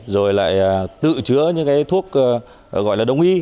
rồi lại tự chữa những cái thuốc gọi là đồng y